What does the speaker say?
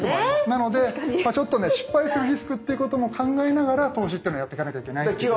なのでちょっとね失敗するリスクっていうことも考えながら投資ってのをやってかなきゃいけないってことなんですね。